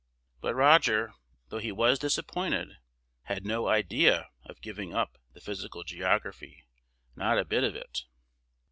But Roger, though he was disappointed, had no idea of giving up the Physical Geography. Not a bit of it!